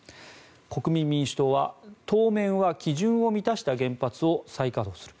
国民民主党は当面は基準を満たした原発を再稼働する。